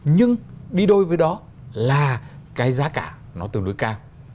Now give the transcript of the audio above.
nhưng đi đôi với đó là cái giá cả nó tương đối cao